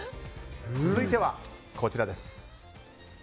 続いてはこちらです。